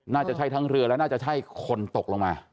น่าจะใช่ทั้งเรือและน่าจะใช่คนตกลงมา